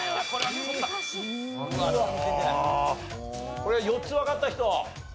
これ４つわかった人？